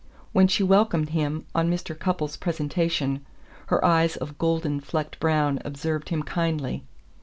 When she welcomed him on Mr. Cupples' presentation, her eyes of golden flecked brown observed him kindly.